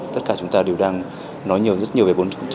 tất cả chúng ta đều đang nói nhiều rất nhiều về bốn